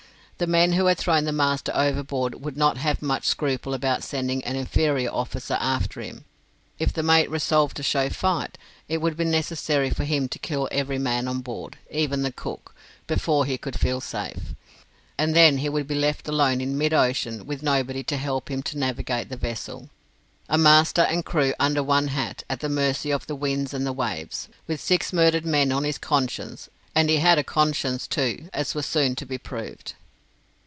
The men who had thrown the master overboard would not have much scruple about sending an inferior officer after him. If the mate resolved to show fight, it would be necessary for him to kill every man on board, even the cook, before he could feel safe; and then he would be left alone in mid ocean with nobody to help him to navigate the vessel a master and crew under one hat, at the mercy of the winds and the waves, with six murdered men on his conscience; and he had a conscience, too, as was soon to be proved.